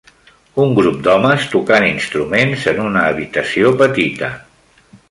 Un grup d'homes tocant instruments en una habitació petita.